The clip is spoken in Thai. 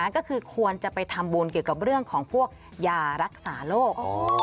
ก็คือควรจะไปทำบุญเกี่ยวกับเรื่องของพวกยารักษาโรค